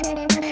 kau mau kemana